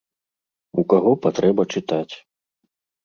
У каго патрэба чытаць.